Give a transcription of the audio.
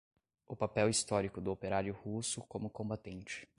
o papel histórico do operário russo como combatente